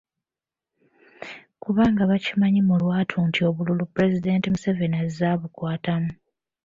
Kubanga bakimanyi mu lwatu nti obululu Pulezidenti Museveni azze abukwatamu.